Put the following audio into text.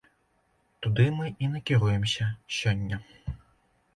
Туды мы і накіруемся сёння.